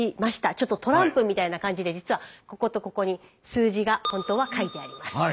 ちょっとトランプみたいな感じで実はこことここに数字が本当は書いてあります。